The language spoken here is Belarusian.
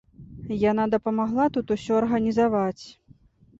Яна дапамагла тут усё арганізаваць.